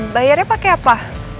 bayarnya pake apa